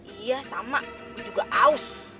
iya sama gue juga haus